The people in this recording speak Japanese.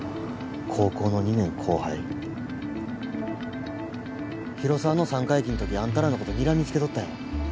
高校の２年後輩広沢の三回忌の時あんたらのことにらみつけとったよ